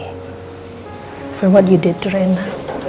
atas apa yang telah kamu lakukan reina